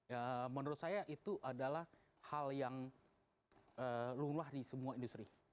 ya menurut saya itu adalah hal yang luar di semua industri